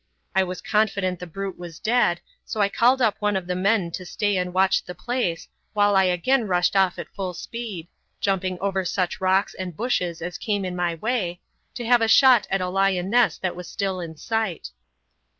I was confident the brute was dead, so I called up one of the men to stay and watch the place, while I again rushed off at full speed jumping over such rocks and bushes as came in my way to have a shot at a lioness that was still in sight.